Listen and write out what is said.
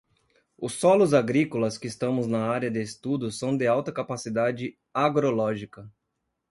Os solos agrícolas que estamos na área de estudo são de alta capacidade agrológica.